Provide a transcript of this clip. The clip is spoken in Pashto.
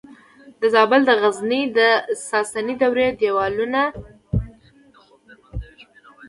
د زابل د غزنیې د ساساني دورې دیوالونه لري